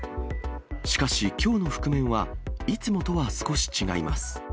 しかし、きょうの覆面はいつもとは少し違います。